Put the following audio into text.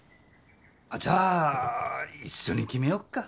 あっじゃあ一緒に決めよっか。